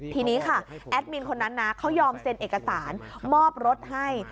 ทีนี้ค่ะแอดมินคนนั้นนะเขายอมเซ็นเอกสารมอบรถให้